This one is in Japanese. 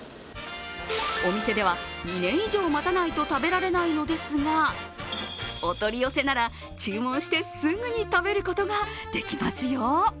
お店では、２年以上待たないと食べられないのですが、お取り寄せなら注文してすぐに食べることができますよ。